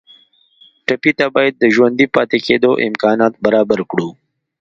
ټپي ته باید د ژوندي پاتې کېدو امکانات برابر کړو.